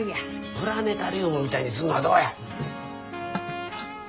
プラネタリウムみたいにすんのはどうや。